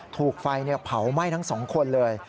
ถูกไฟเนี่ยเผาไหม้ทั้งสองคนเลย